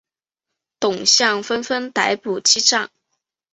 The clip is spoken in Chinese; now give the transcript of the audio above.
董相纷纷逮捕击杖。